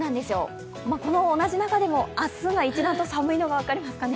この同じ中でも明日が一段と寒いのが分かりますかね。